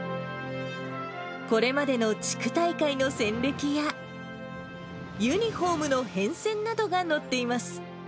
これまでの地区大会の戦歴や、ユニホームの変遷などが載っています。